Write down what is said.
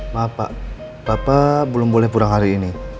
maaf pak bapak belum boleh pulang hari ini